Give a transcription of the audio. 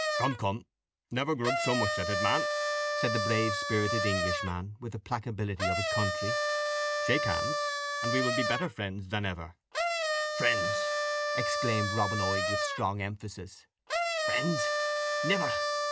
"Come come, never grudge so much at it, man," said the brave spirited Englishman, with the placability of his country; "shake hands, and we will be better friends than ever." "Friends!" exclaimed Robin Oig with strong emphasis "friends! Never.